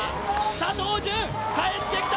佐藤惇、帰ってきた。